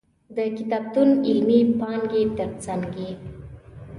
د کتابتون علمي پانګې تر څنګ یې.